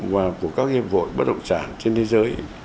và của các hiệp hội bất động sản trên thế giới